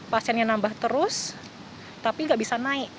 pasiennya nambah terus tapi nggak bisa naik